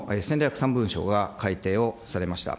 ３文書が改訂をされました。